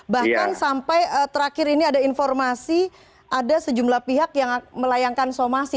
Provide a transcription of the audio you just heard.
bahkan sampai terakhir ini ada informasi ada sejumlah pihak yang melayangkan somasi